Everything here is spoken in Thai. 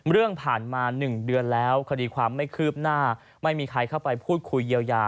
เรื่องผ่านมา๑เดือนแล้วคดีความไม่คืบหน้าไม่มีใครเข้าไปพูดคุยเยียวยา